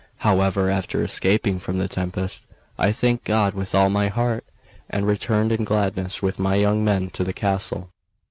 However, after escaping from the tempest, I thanked God with all my heart, and returned in gladness with my young men to the castle.